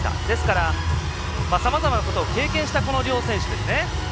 ですから、さまざまなことを経験した両選手ですね。